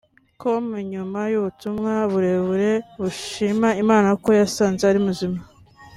com nyuma y’ubutumwa burebure bushima Imana ko yasanze ari muzima